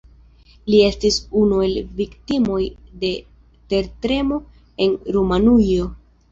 Li estis unu el viktimoj de tertremo en Rumanujo.